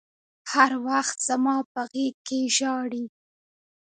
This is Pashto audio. هر وخت زما په غېږ کښې ژاړي.